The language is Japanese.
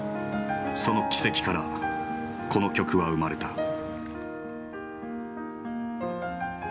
その奇跡から、この曲は生まれた。